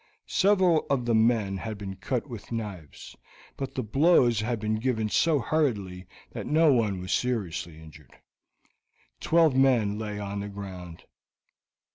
Several of the men had been cut with knives, but the blows had been given so hurriedly that no one was seriously injured. Twelve men lay on the ground.